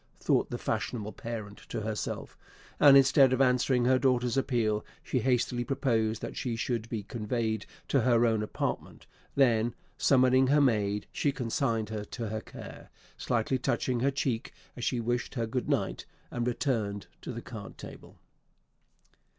thought the fashionable parent to herself; and, instead of answering her daughter's appeal, she hastily proposed that she should be conveyed to her own apartment; then, summoning her maid, she consigned her to her care, slightly touching her cheek as she wished her good night, and returned to the card table.